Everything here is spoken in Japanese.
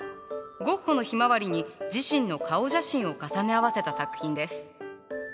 ゴッホの「ひまわり」に自身の顔写真を重ね合わせた作品です。